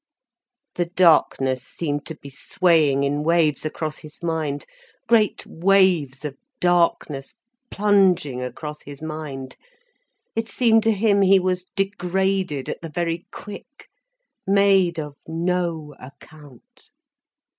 The darkness seemed to be swaying in waves across his mind, great waves of darkness plunging across his mind. It seemed to him he was degraded at the very quick, made of no account.